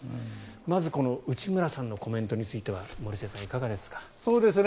まず、この内村さんのコメントについてはいかがですか。